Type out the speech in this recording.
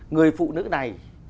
người phụ nữ này